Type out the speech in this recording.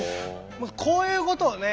こういうことをね